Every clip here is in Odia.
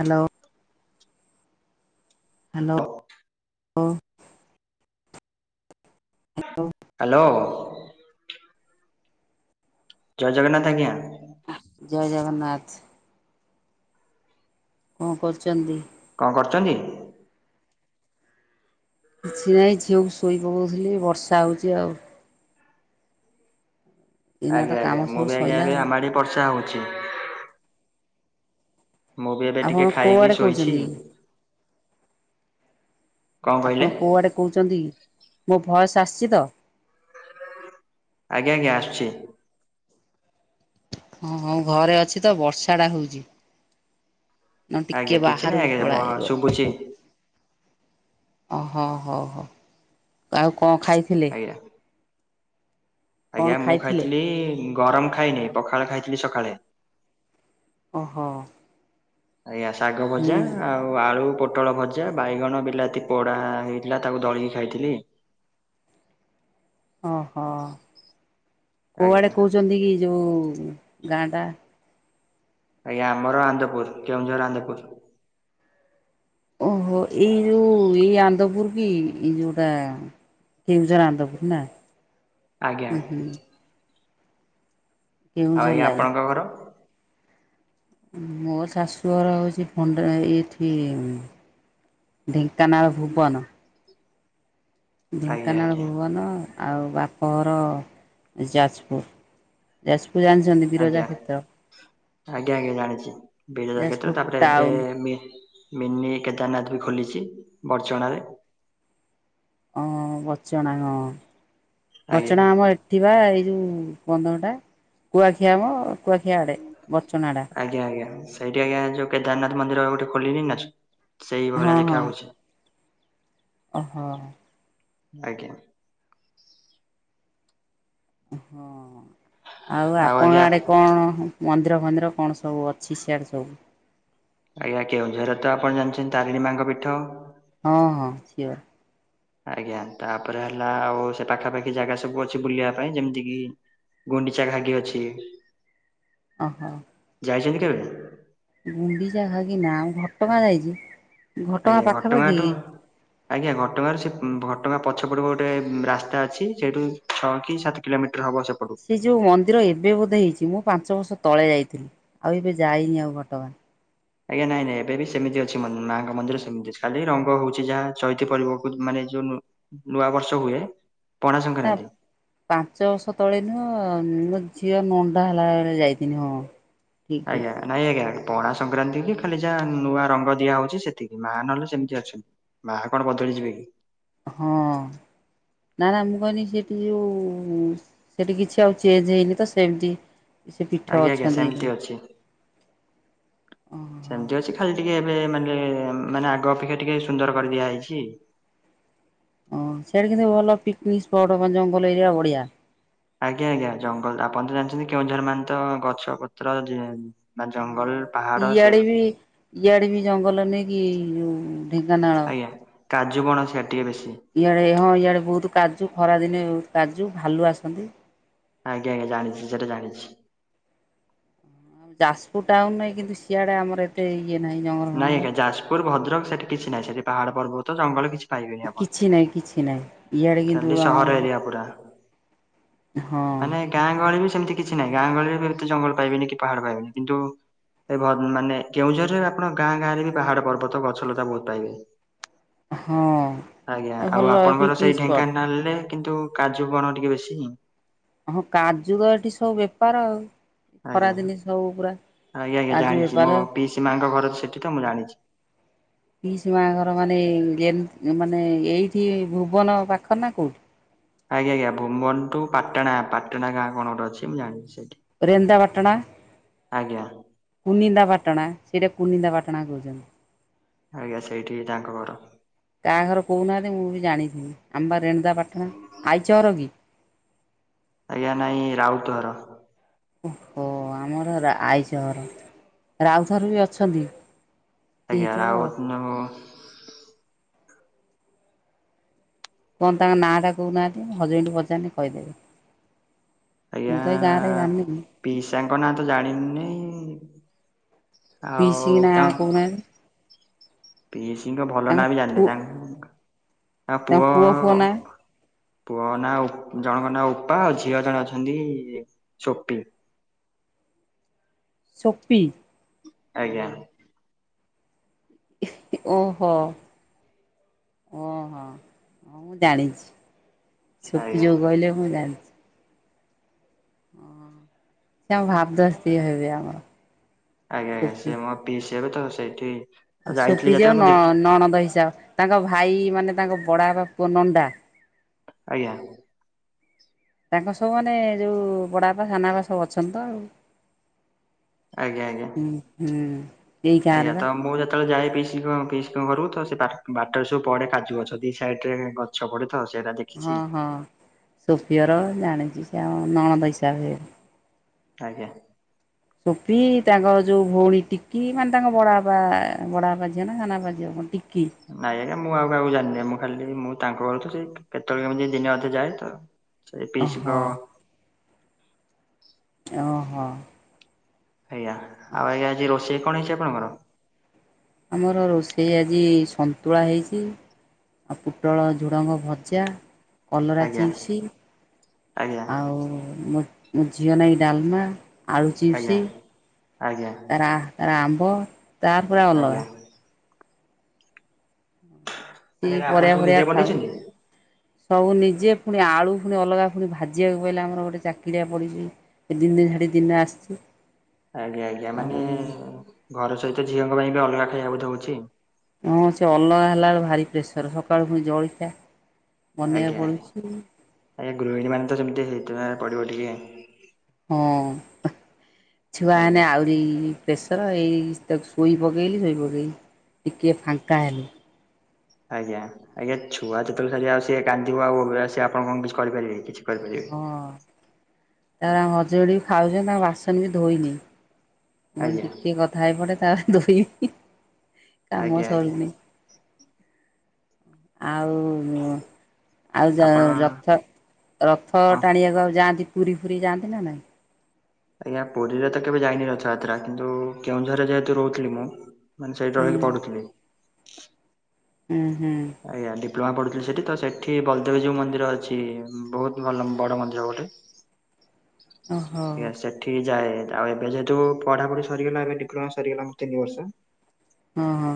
ହ୍ୟାଲୋ। ହ୍ୟାଲୋ ଓ। ହ୍ୟାଲୋ। ହ୍ୟାଲୋ। ଜୟ ଜଗନ୍ନାଥ ଆଜ୍ଞା। ଜୟ ଜଗନ୍ନାଥ। କଣ କରୁଛନ୍ତି? କଣ କରୁଚନ୍ତି? କିଛି ନାହିଁ ଝିଅକୁ ଶୋଇ ପକଉଥିଲି ବର୍ଷା ହଉଛି ଆଉ। ଏଇନା ତ ଆଜ୍ଞା କାମ ଆଜ୍ଞା ମୁଁ ସବୁ ବି ସଇଲା ଆଜ୍ଞାବେ ଆଉ। ଆମାଡି ବର୍ଷା ହଉଛି। ମୁଁ ବି ଏବେ ଆପଣ ଟିକେ ଖାଇକି କୋଉଆଡ଼େ ଶୋଇଛି। କହୁଛନ୍ତି କଣ କହିଲେ? ଆପଣ କୋଉଆଡେ କହୁଛନ୍ତିକି ମୋ ଭୟସ ଆସିଛି ତ? ଆଜ୍ଞା ଆଜ୍ଞା ଆସୁଛି। ହଁ ହଁ ଘରେ ଅଛି ତ ବର୍ଷା ଟା ହଉଛି। ନ ଆଜ୍ଞା ଟିକେ କିଛି ନାହିଁ ବାହାରକୁ ଆଜ୍ଞା ବ ପଳାଏ ଶୁଭୁଛି ରୁହ। ଓହୋ ହଉ ହଉ ଆଉ କଣ ଖାଇଥିଲେ? [unintelligible] କଣ ଆଜ୍ଞା ମୁଁ ଖାଇଥିଲେ ଖାଇଥିଲି ଗରମ ଖାଇନି ପଖାଳ ଖାଇଥିଲି ସକାଳେ। ଓହୋ। ଆଜ୍ଞା ଶାଗ ଭଜା ହୁଁ ଆଉ ଆଉ ଆଳୁ ପୋଟଳ ଭଜା ବାଇଗଣ ବିଲାତି ପୋଡ଼ା ହେଇଥିଲା ତାକୁ ଦଳିକି ଖାଇଥିଲି। ଓହୋ କୋଉଆଡେ ଆଜ୍ଞା କହୁଛନ୍ତି କି ଯୋଉ ଗାଁ ଟା? ଆଜ୍ଞା ଆମର ଆନନ୍ଦପୁର କେଉଁଝର ଆନନ୍ଦପୁର। ଓହୋ ଏଇ ଯୋଉ ଏଇ ଆନନ୍ଦପୁର କି ଏଇ ଯୋଉଟା କେଉଁଝର ଆନନ୍ଦପୁର ନା ଆଜ୍ଞା ହୁଁ ହୁଁ। ଆଉ ଆଉ କେଉଁଝର ଆଜ୍ଞା ଲାଇନ୍ ଆପଣଙ୍କ ଘର? ମୋ ଶାଶୁ ଘର ହଉଛି ଫଣ୍ଡ ଏଇଠି ଢେଙ୍କାନାଳ ଭୁବନ। ଆଜ୍ଞା ଢେଙ୍କାନାଳ ଆଜ୍ଞା ଭୁବନ ଆଉ ବାପଘର ଯାଜପୁର। ଯାଜପୁର ଆଣିଛନ୍ତି ଆଜ୍ଞା। ବିରଜା କ୍ଷେତ୍ର? ଆଜ୍ଞା ଆଜ୍ଞା ଜାଣିଛି ବିରଜା କ୍ଷେତ୍ର ଯାଜପୁର ତାପରେ ଏବେ ଟାଉନ୍ ଏମେ ମିନି କେଦାରନାଥ ବି ଖୋଲିଛି ବଡ଼ଚଣାରେ। ଓଁ ବଛଣା ହଁ ଆଜ୍ଞା। ବଛଣା ଆମ ଏଠିବା ଏଇ ଯଉ ବନ୍ଧନଟା କୁଆଖିଆ ଆମ କୁଆଖିଆ ଆଡ଼େ ବଚ୍ଚନା ଟା। ଆଜ୍ଞା ଆଜ୍ଞା ସେଇଠି ଆଜ୍ଞା ଯୋଉ କେଦାରନାଥ ମନ୍ଦିର ଗୋଟେ ଖୋଲିିଲଣି ନା। ସେଇଭଳିଆ ହଁ ହଁ ଦେଖା ହଉଛି। ଓହୋ। ଆଜ୍ଞା। ହଁ ଆଉ ଆପଣ ଆଡେ କଣ ମନ୍ଦିର ଫନ୍ଦିର କଣ ସବୁ ଅଛି ସିଆଡ଼େ ସବୁ? ଆଜ୍ଞା କେଉଁଝରରେ ତ ଆପଣ ଜାଣିଛନ୍ତି ତାରିଣୀ ମାଆଙ୍କ ପୀଠ। ହଁ ହଁ ସିଓର। ଆଜ୍ଞା ତାପରେ ହେଲା ଆଉ ସେ ପାଖାପାଖି ଜାଗା ସବୁ ଅଛି ବୁଲିବା ପାଇଁ ଯେମିତି କିି ଗୁଣ୍ଡିଚା ଘାଗି ଅଛି। ଓହୋ। ଯାଇଛନ୍ତି କେବେ? ଗୁଣ୍ଡିଚା ଘାଗୀ ନା ଘଟଗାଁ ଯାଇଛି ଆଜ୍ଞା ଘଟଗାଁ ପାଖାପାଖି ଘଟଗାଁଠୁ କି? ଆଜ୍ଞା ଘଟଗାଁର ସେ ଘଟଗାଁ ପଛପଟେ ଗୋଟେ ରାସ୍ତା ଅଛି ସେଇଠୁ ଛଅ କି ସାତ କିଲୋମିଟର ହବ ସେ ସେ ଯୋଉ ମନ୍ଦିର ଏବେ ବୋଧେ ହେଇଛି ମୁଁ ପାଞ୍ଚ ବର୍ଷ ତଳେ ଯାଇଥିଲି ଆଉ ଏବେ ଯାଇନି ଆଉ ଘଟଗାଁ। ଆଜ୍ଞା ନାଇଁ ନାଇଁ ଏବେ ବି ସେମିତି ଅଛି ମାଆଙ୍କ ମନ୍ଦିର ସେମିତି ଅଛି ଖାଲି ରଙ୍ଗ ହଉଛି ଯାହା ଚୈତି ପର୍ବକୁ ମାନେ ଯୋଉ ନୂଆବର୍ଷ ହୁଏ ପଣା ନା ସଂକ୍ରାନ୍ତି। ପାଞ୍ଚ ବର୍ଷ ତଳେନି ମୋ ଝିଅ ନଣ୍ଡା ହେଲା ବେଳେ ଯାଇଥିନି ହଁ। ଠିକ୍ ଠିକ୍ ଆଜ୍ଞା। ନାଇଁ ଆଜ୍ଞା ପଣା ସଂକ୍ରାନ୍ତି କି ଖାଲି ଯାହା ନୂଆ ରଙ୍ଗ ଦିଆ ହଉଛି ସେତିକି, ମାଆ ନହଲେ ସେମିତି ଅଛନ୍ତି। ମାଆ କଣ ବଦଳି ଯିବେ କି? ହଁ ନା ନା ମୁଁ କହିନି ସେଠି ଯୋଉ ସେଠି କିଛି ଆଉ ଚେଞ୍ଜ ହେଇନି ତ ସେମିତି ସେ ପିଠ ଆଜ୍ଞା ଆଜ୍ଞା ଅଛନ୍ତି ସେମିତି ଏଇକ୍ଷିଣୀ। ଅଛି। [inaudible] ଓହୋ। ସେମତି ଅଛି ଖାଲି ଟିକେ ଏବେ ମାନେ ମାନେ ଆଗ ଅପେକ୍ଷା ଟିକେ ସୁନ୍ଦର କରିଦିଆ ହେଇଛି। ଓ ସିଆଡେ କିନ୍ତୁ ଭଲ ପିକନିକ ସ୍ପଟ ମାନେ ଜଙ୍ଗଲ ଏରିଆ ବଢିଆ। ଆଜ୍ଞା ଆଜ୍ଞା ଜଙ୍ଗଲ ଆପଣ ତ ଜାଣିଛନ୍ତି କେଉଁଝର ମାନେ ତ ଗଛ ପତ୍ର ଯେ ବା ଜଙ୍ଗଲ ହୁଁ ପାହାଡ ସେ ଇଆଡେ ବି ଇଆଡେ ବି ଜଙ୍ଗଲ ନେଇକି ଏଇ ଯୋଉ ଢେଙ୍କାନାଳ ଆଜ୍ଞା କାଜୁ ବଣ ସିଆଡେ ଟିକେ ବେଶୀ। ଇଆଡ଼େ ହଁ ଇଆଡ଼େ ବହୁତ କାଜୁ ଖରା ଦିନେ ବହୁତ କାଜୁ ଭାଲୁ ଆସନ୍ତି। ଆଜ୍ଞା ଆଜ୍ଞା ଜାଣିଛି ସେଟା ଜାଣିଛି। ଯାଜପୁର ଟାଉନରେ କିନ୍ତୁ ସିଆଡେ ଆମର ଏ ଏତେ ଇଏ ନାହିଁ ଜଙ୍ଗଲ ନାଇଁ ଫଙ୍ଗଲ ଆଜ୍ଞା ଯାଜପୁର, ଭଦ୍ରକ, ସେଠି କିଛି ନାଇଁ। ସେଠି ପାହାଡ଼, ପର୍ବତ, ଜଙ୍ଗଲ କିଛି ପାଇବେନି ଆପଣ। କିଛି ନାହିଁ କିଛି ନାହିଁ ଇଆଡ଼େ ଖାଲି କିନ୍ତୁ ସହର ଆମର ଏରିଆ ପୁରା। ହଁ। ମାନେ ଗାଁ ଗହଳି ବି ସେମିତି କିଛି ନାହିଁ, ଗାଁ ଗହଳିରେ ବି ଏତେ ଜଙ୍ଗଲ ପାଇବେନି କି ପାହାଡ଼ ପାଇବେନି କିନ୍ତୁ ଏ ଭ ମାନେ କେଉଁଝରରେ ଆପଣ ଗାଁ ଗାଁରେ ବି ପାହାଡ, ପର୍ବତ, ଗଛଲତା ବହୁତ ପାଇବେ। ହଁ ଏ ଭଲ ଏ ପିକନିକ ସ୍ପଟ୍। ନାଲେ କିନ୍ତୁ କାଜୁ ବଣ ଟିକେ ବେଶୀ। ହଁ କାଜୁ ତ ଏଠି ସବୁ ବେପାର ଆଉ ଆଜ୍ଞା ଖରାଦିନ ସବୁ ପୁରା ଆଜ୍ଞା ଆଜ୍ଞା କାଜୁ ଜାଣିଛି ମୋ ବେପାର ପିଇସି ମାଙ୍କ ଘର ସେଠିତ, ମୁଁ ଜାଣିଛି। ପିଇସି ମା ଘର ମାନେ ଗେନ ମାନେ ଏଇଠି ଭୁବନ ପାଖ ନା କୋଉଠି? ଆଜ୍ଞା, ଆଜ୍ଞା, ଭୁବନ ଠୁ ପାଟଣା, ପାଟଣା ଗାଁ କଣ ଗୋଟେ ଅଛି, ମୁଁ ଜାଣଛି ସେଇଠି। ରେନଦା ପାଟଣା ଆଜ୍ଞା। କୁନିନ୍ଦା ପାାଟଣା, ସେଇଟା କୁନିନ୍ଦା ପାାଟଣା କହୁଛନ୍ତି। ଆଜ୍ଞା, ସେଇଠି ତାଙ୍କ ଘର। କାହାଘର କହୁନାହାନ୍ତି ମୁଁ ବି ଜାଣିଥିବି, ଆମେ ବା ରେଣଦାପାଟଣା, ଆଇଚ ଘର କି? ଆଜ୍ଞା, ନାଇଁ ରାଉତ ଘର। ଓହୋ, ଆମର ରା ଆଇଚ ଘର ରାଉତ ଘର ବି ଅଛନ୍ତି। ଆଜ୍ଞା, ହେଇଥିବ ଆଉ। ରାଉତ ନେବୋ କଁଣ ତାଙ୍କ ନାଁ ଟା କହୁନାହାନ୍ତି, ମୋ ହଜବେଣ୍ଡ କୁ ପଚାରିଲେ କହିଦେବେ। ମୁଁ ତ ଏଇ ଗାଁରେ ଜାଣିନେଇଁ ପିସାଙ୍କ ନାଁ ତ ଜାଣିନେଇଁ। ଆଉ ପିଇସି ନାଁ ତାଙ୍କ କହୁନାହାନ୍ତି ପିଇସିଙ୍କ ଭଲ ତାଙ୍କ ନାଁ ବି ଜାଣିନେଇଁ। ପୁଅ ତାଙ୍କ ତାଙ୍କ ତାଙ୍କ ପୁଅ ଫୁଅ ନାଁ ପୁଅ ନାଁ ଓ ଜଣଙ୍କ ନାଁ ଓପା। ଆଉ ଝିଅ ଜଣେ ଅଛନ୍ତି ସୋପି। ସୋପି ଆଜ୍ଞା। ଓହୋ। ଓହୋ, ହଁ ମୁଁ ଜାଣିଚି। ଆଜ୍ଞା। ସୋପି ଯୋଉ କହିଲେ ମୁଁ ଜାଣି ଓ ସେ ଆମ ଭାଉଜ ସିଏ ହେବେ ଆମର। ଆଜ୍ଞା ଆଜ୍ଞା, ସେ ମୋ ପିଇସି ହେବେତ, ସେଇଠି ଯାଇଥିଲି ସୋପି ଯୋଉ ଯେତେବେଳେ ମୁଁ ନ ଦେଖି ନଣଦ ହିସାବ, ତାଙ୍କ ଭାଇ ମାନେ ତାଙ୍କ ବଡା ବାପା ପୁଅ ନଣ୍ଡା ଆଜ୍ଞା। ତାଙ୍କ ସବୁ ମାନେ ଯୋଉ ବଡାବାପା, ସାନବାପା, ସବୁ ଅଛନ୍ତି ତ ଆଉ। ଆଜ୍ଞା ଆଜ୍ଞା। ଉଁ, ହୁଁ, ଏଇ ଆଜ୍ଞା ଗାଁରେ ବା। ତ ମୁଁ ଯେତେବେଳେ ଯାଏ ପିସିଙ୍କ, ପିସିଙ୍କ ଘରକୁ ତ ସେ ବା ବାଟରେ ସବୁ ପଡେ କାଜୁଗଛ, ଦି ସାଇଟରେ ଗଛ ପଡେ। ତ ସିଏ ହେରା ଦେ ହଁ ହଁ, ସୋଫିଘର ଜାଣିଚି ସେ ଆ ନଣଦ ହିସାବ ହେବେ। ଆଜ୍ଞା। ସୋପି ତାଙ୍କ ଯଉ ଭଉଣୀ ଟିକି ମାନେ ତାଙ୍କ ବଡ଼ ବଡ଼ାବାପା ଝିଅ ନା ସାନା ବାପା ଝିଅ କଣ ଟିକି ନାଇଁ ଆଜ୍ଞାଁ ଆଉ କାହାକୁା ଜାଣିନି ମୁଁ ଖାଲି ମୁଁ ତାଙ୍କ ଘର ସେ କେତେବେଳେ କେମିତି ଦିନେ ଅଧେ ଯାଏ ତ ସେ ଓହୋ ପିଇସୀଙ୍କ ଓହୋ। ଆଜ୍ଞା, ଆଉ ଆଜ୍ଞା ଆଜି ରୋଷେଇ କଣ ହେଇଚି ଆପଣଙ୍କର? ଆମର ରୋଷେଇ ଆଜି ସନ୍ତୁଳା ହେଇଚି। ଆଉ ପୋଟଳ, ଝୁଡ଼ଙ୍ଗ ଭଜା କଲରା ଆଜ୍ଞା ଚିପ୍ସ, ଆଜ୍ଞା ଆଉ ମୋ ମୋ ଝିଅ ନାଗି ଡାଲମା। ଆଳୁ ଚିପ୍ସ ଆଜ୍ଞା, ଆଜ୍ଞା। ତାର ଆ ତାର ଆମ୍ବ ତାର ପୁରା ଅଲଗା। ଆଜ୍ଞା ମାନେ କିଛି ଆପଣ ପରିବା ସବୁ ନିଜେ ଫରିବା ଖାଉନି। ବନେଇଛନ୍ତି? ସବୁ ନିଜେ ପୁଣି ଆଳୁ ଫୁଣି ଅଲଗା ପୁଣି ଭାଜିବାକୁ ପଇଲା। ଆମର ଗୋଟେ ଚାକିରିଆ ପଡ଼ିଚି ସେ ଦିନେ ଛାଡ଼ି ଦିନେ ଆସଚି। ଆଜ୍ଞା, ଆଜ୍ଞା, ମାନେ ଘର ସହିତ ଝିଅଙ୍କ ପାଇଁ ବି ଅଲଗା ଖାଇବା ବୋଧେ ହଉଚି। ହଁ ସେ ଅଲଗା ହେଲା ବେଳଳେ ଭାରି ପ୍ରେସର। ସକାଳୁ ପୁଣି ଜଳିଖିଆ ଆଜ୍ଞା, ଆଜ୍ଞା, ଆଜ୍ଞା ଗୃହିଣୀ ମାନେ ତ ସେମିତି ହେଇଥିପାଇଁ ପଡିବ ଟିକେ ହଁ, ଛୁଆ ଆଜ୍ଞା ମାନେ ଆହୁରି ପ୍ରେସର ଏଇ ତାକୁ ଶୋଇ ପକେଇଲି ଶୋଇ ପକାଇକି ଟିକିଏ ଫାଙ୍କା ହେଲି ଆଜ୍ଞା ଆଜ୍ଞା ଛୁଆ ଯେତେବେଳେ ସାର ଆଉ ସିଏ କାନ୍ଦିବ ଆଉ ସେ ଆପଣ କଣ କିଛି କରିପାରିବେ କିଛି କରିପାରିବେ ହଁ ତାର ହଜଡ଼ି ବି ଖାଉଛନ୍ତି ତାଙ୍କ ବାସନ ବି ଧୋଇନି ମୁଁ କଇନି ଆଜ୍ଞା ଟିକେ କଥା ହେଇ ପଡେ ତାପରେ ଧୋଇବି କାମ ଆଜ୍ଞା ଆଜ୍ଞା ସରୁୁନି ଆଉ ଆଉ ଜା ଆପଣ ରଥ ରଥ କଣ ଟାଣିବାକୁ ଆଉ ଯାଆନ୍ତି ପୁରୀ ଫୁରି ଯାଆନ୍ତି ନା ନାଇଁ ଆଜ୍ଞା ପୁରୀରେ ତ କେବେ ଯାଇନି ରଥଯାତ୍ରା କିନ୍ତୁ କେଉଁଝରରେ ଯେହେତୁ ରହୁଥିଲି ମୁଁ ମାନେ ସେଇଠି ହୁଁ ରହିକି ପଡୁଥିଲି ହୁଁ ହୁଁ ଆଜ୍ଞା ଡିପ୍ଲୋମା ପଢୁଥିଲି ସେଠି ତ ସେଠି ବଲଦେବଜୀଉ ମନ୍ଦିର ଅଛି ବହୁତ ଭଲ ବଡ଼ ମନ୍ଦିର ଗୋଟେ [inaudible] ଓହୋ [unintelligible] ସେଠି ଯାଏ ଆଉ ଏବେ ଯେହେତୁ ପଢାପଢି ସରିଗଲା ଏବ ଡିପ୍ଲୋମା ସରିଗଲା ମୁଁ ତିନି ବର୍ଷ ହଁ ହଁ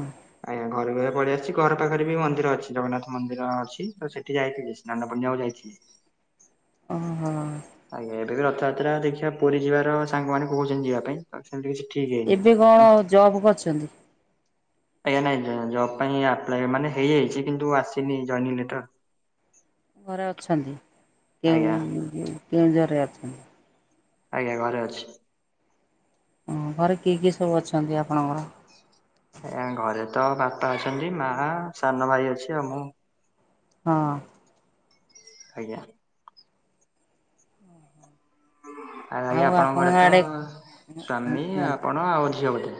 ଆଜ୍ଞା ଘରେ ବି ପଳେଇ ଆସିଛି ଘର ପାଖରେ ବି ମନ ନ୍ଦିର ଅଛି ଜଗନ୍ନାଥ ମନ୍ଦିର ଅଛି ତ ସେଠି ଯାଇଥିଲି ସ୍ନାନ ପୂର୍ଣ୍ଣିମା କୁ ଯାଇଥିଲି ଓହୋ ଆଜ୍ଞା ଏବେ ବି ରଥଯାତ୍ରା ଦେଖିବା ପୁରୀ ଯିବାର ସାଙ୍ଗ ମାନ କହୁଛନ୍ତି ଯିବା ପାଇଁ ଆଉ ସେମତି କିଛି ଠିକ୍ ହେ ଏବେ କଣ ଜବ୍ କରିଛନ୍ତି ଆଜ୍ଞା ନାଇଁ ଜ ଜବ୍ ପାଇଁ ଆପ୍ଲାଏ ମାନେ ହେଇଯାଇଛି କିନ୍ତୁ ଆସିନି ଜୟନିଙ୍ଗି ଲେଟର ଘରେ ଅଛନ୍ତି କେଉ ଆଜ୍ଞା କେଉଁ ଜୋରରେ ଅଛନ୍ତି ଆଜ୍ଞା ଘରେ ଅଛି ଓ ଘରେ କିଏ କିଏ ସବୁ ଅଛନ୍ତି ଆପଣଙ୍କର? ଆଜ୍ଞା ଘରେ ତ ବାପା ଅଛନ୍ତି ମା ସାନ ଭାଇ ଅଛି ଆଉ ମୁଁ ହଁ ଆଜ୍ଞା ଆ ଆୟା ଆଉ ଆପଣଙ୍କ ଘରେ ତ ଆଡେ ସ୍ଵାମୀ କୁହନ୍ତୁ। ଆପଣ ଆଉ ଝିଅ ଗୋଟେ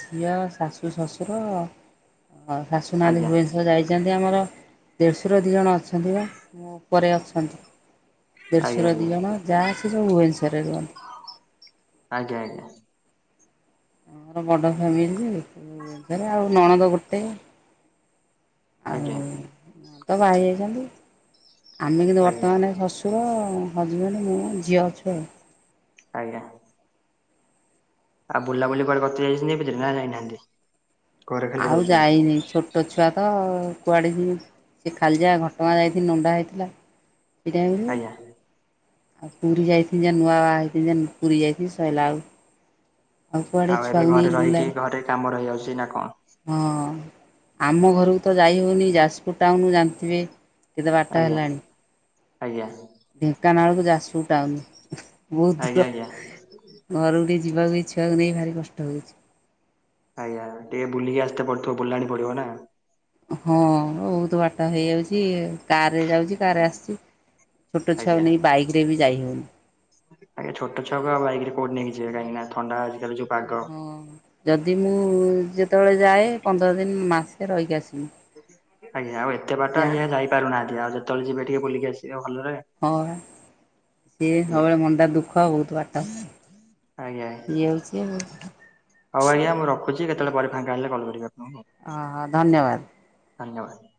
ଝିଅ ଶାଶୁ ଶ୍ୱଶୁର ଶାଶୁ ନାହାନ୍ତି ଆଜ୍ଞା ଭୁବନେଶ୍ଵର ଯାଇଛି ଯେମିତି ଆମର ଦେଢ଼ଶୁର ଦୁଇ ଜଣ ଅଛନ୍ତି ବା ମୋ ଉପରେ ଅଛନ୍ତି ଦେଢଶୋ ଆଜ୍ଞା ର ଦି ଜଣ ଯାଆ ସେ ସବୁ ଭୁବନେଶ୍ୱରରେ ରୁହନ୍ତି ଆଜ୍ଞା ଆଜ୍ଞା ତାଙ୍କର ବଡ ଫ୍ୟାମିଲିରେ ଆଉ ନଣଦ ଗୋଟେ ଆଉ ଆଜ୍ଞା ତ ବାହାହେଇ ଯାଇଛନ୍ତି ଆମେ କିନ୍ତୁ ଆଜ୍ଞା ଆଜ୍ଞା ବର୍ତ୍ତମାନ ଶଶ ସୁର ହଜବେଣ୍ଡ ମୁଁ ଝିଅ ଅଛୁ ଆଉ ଆଜ୍ଞା ଆଉ ବୁଲାବୁଲି କୁଆଡ କଚ ଯାଇଛନ୍ତିଆ ଭିତରେ ନା ଯାଇନାହାନ୍ତି ଘରେ ଖାଲି ଆଉ ରହୁଛନ୍ତି ଯାଇନି ଛୋଟ ଛୋଟ ଛୁଆ ତ କୁଆଡ଼େ ଜିମି ସେ ଖାଲିଯା ଘଟଗାଁ ଯାଇଥିନି ନଣ୍ଡା ହେଇଥିଲା ସେଇଟାଇମି ରେ ଆଜ୍ଞା। ଆଉ ପୁରୀ ଯାଇଥିନି ଜା ନୂଆ ବାହା ହେଇଥିନି ଯେ ପୁରୀ ଯାଇଥିନି ସଇଲା ଆଉ ଆଉ କୁଆଡେ ଏବେ ଛୁଆକୁ ଘରେ ନେଇ ରହିକି ବୁଲା ଘରେ କାମ ରହିଯାଉଚି ନା କଣ ହଁ ଆମ ଘରକୁ ତ ଯାଇହଉନି ଯାଜପୁର ଟାଉନରୁୁ ଜାଣିଥିବେ କେତେ ବାଟ ଆଜ୍ଞା ହେଲାଣି। ଆଜ୍ଞା ଢେଙ୍କାନାଳକୁ ଯାଜପୁର ଟାଉନ୍ ବହୁତ ଦୂର। ଆଜ୍ଞା ଆଜ୍ଞା। ଘରୁ ଟିକେ ଯିବାକୁ ଇଛା [unintelligible] ଭାରି କଷ୍ଟ ହଉଛି। ଆଜ୍ଞା ଟିକେ ବୁଲିକି ଆସି ତେ ପଥିବ ବୁଲାଣି ପଡିବ ନା। ହଁ ବହୁତ ବାଟା ହେଇଯାଉଛି। କାର ରେ ଯାଉଛି କାର ରେ ଆଶୁଛି ଛୋଟ ଆଜ୍ଞା। ଛୁଆକୁ ନେଇ ବାଇକ ରେ ବି ଯାଇ ହଉନି। ଆଜ୍ଞା ଛୋଟ ଛୁଆ କୁ ବାଇକ୍ ରେ ଆଉ କଉଠି ନେଇକି ଯିବେ କାହିକି ନା ଥଣ୍ଡା ଆଜିକାଲି ଯୋଉ ପାଗ। ହଁ ଯଦି ମୁଁ ଯେତେବେଳେ ଯାଏ ପନ୍ଦର ଦିନ ମାସେ ରହିକି ଆସିବି। ଆଜ୍ଞା ଆଉ ଏତେ ବାଟ ଆ ଯା ଯାଇପାରୁନାହାନ୍ତି ଆଉ ଯେତେବେଳେ ଯିବେ ଟିକେ ବୁଲିକି ଆସିବେ ଭଲରେ। ହଁ ବା ସିଏ ଆଜ୍ଞା ସବୁବେଳେ ମନଟା ଦୁଃଖ ବହୁତ ବାଟ ଆଜ୍ଞା ଇଏ ହଉଛି ଆଉ। ହଉ ଆଜ୍ଞା ମୁଁ ରଖୁଛି କେତେବେଳେ ପରେ ଫାଙ୍କା ହେଲେ କଲ କରିବି ଅପଣଙ୍କୁ। ହଁ ହଁ ଧନ୍ୟବାଦ। ଧନ୍ୟବାଦ।